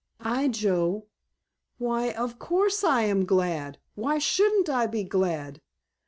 "I, Joe? Why, of course I am glad! Why shouldn't I be glad?